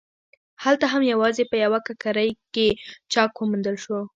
هلته هم یوازې په یوه ککرۍ کې چاک وموندل شو.